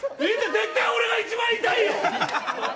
絶対、俺が一番痛いよ！